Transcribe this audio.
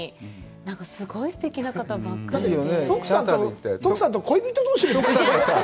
なんかすごいすてきな方ばかりですね。